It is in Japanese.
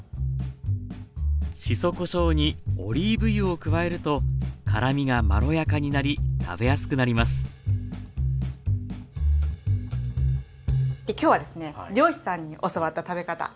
しそこしょうにオリーブ油を加えると辛みがまろやかになり食べやすくなりますで今日はですね漁師さんに教わった食べ方。